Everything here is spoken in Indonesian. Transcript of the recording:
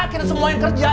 kita semua yang kerja